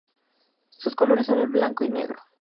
Sus colores son el blanco y negro.